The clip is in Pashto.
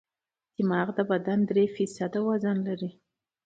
دماغ د بدن درې فیصده وزن لري.